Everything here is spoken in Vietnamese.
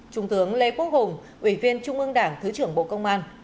trung tướng lê quốc hùng ủy viên trung ương đảng thứ trưởng bộ công an